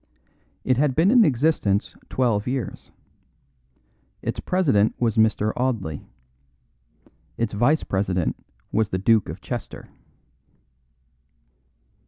It had been in existence twelve years. Its president was Mr. Audley. Its vice president was the Duke of Chester.